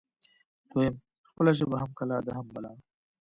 دویم: خپله ژبه هم کلا ده هم بلا